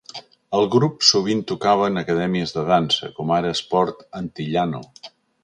El grup sovint tocava en acadèmies de dansa, com ara Sport Antillano.